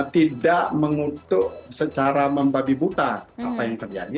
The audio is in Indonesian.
tidak mengutuk secara membabi buta apa yang terjadi